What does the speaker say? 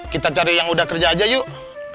kita cari yang udah kerja aja yuk